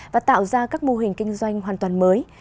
và tạo ra các mô hình kinh doanh hoàn toàn mới